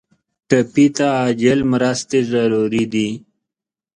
ټپي ته عاجل مرستې ضروري دي.